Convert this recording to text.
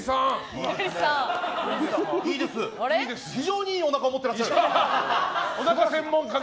非常にいいおなかを持っていらっしゃる！